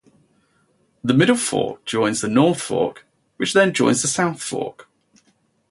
The Middle Fork joins the North Fork, which then joins the South Fork.